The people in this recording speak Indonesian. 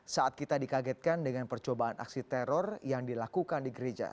saat kita dikagetkan dengan percobaan aksi teror yang dilakukan di gereja